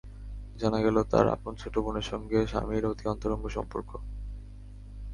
জানা গেল, তাঁর আপন ছোট বোনের সঙ্গে স্বামীর অতি অন্তরঙ্গ সম্পর্ক।